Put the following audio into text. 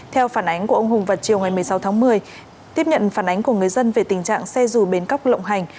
theo phản ánh của ông hùng vào chiều ngày một mươi sáu tháng một mươi tiếp nhận phản ánh của người dân về tình trạng xe dù bến cóc lộng hành